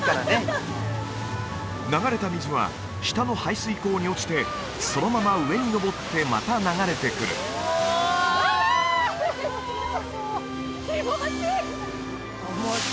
流れた水は下の排水溝に落ちてそのまま上にのぼってまた流れてくるわ！